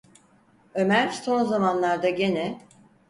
Ömer son zamanlarda gene...